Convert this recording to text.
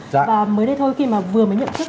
và mới đây thôi khi mà vừa mới nhận thức